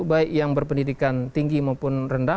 baik yang berpendidikan tinggi maupun rendah